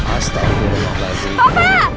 astagfirullahaladzim ya allah